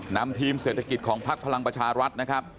นำทีมเศรษฐกิจของพักพลังประชารัฐนะครับ